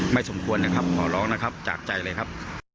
สมควรนะครับขอร้องนะครับจากใจเลยครับ